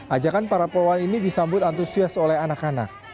ajakan para poluan ini disambut antusias oleh anak anak